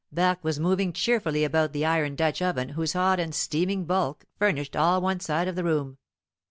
Barque was moving cheerfully about the iron Dutch oven whose hot and steaming bulk furnished all one side of the room.